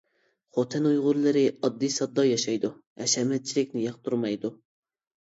خوتەن ئۇيغۇرلىرى ئاددىي-ساددا ياشايدۇ، ھەشەمەتچىلىكنى ياقتۇرمايدۇ.